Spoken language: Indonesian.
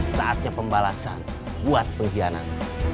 saatnya pembalasan buat perhianat